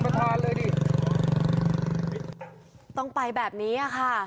ต้องไปแบบนี้อะค่ะ